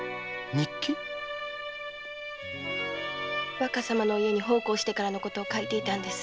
若様の家に奉公してからの事を書いていたんです